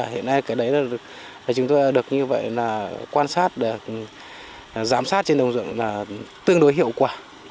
hiện nay cái đấy là chúng tôi được như vậy là quan sát được giám sát trên đồng ruộng là tương đối hiệu quả